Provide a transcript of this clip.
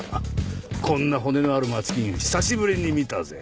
こんな骨のある街金久しぶりに見たぜ。